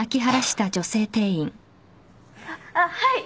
あっはい。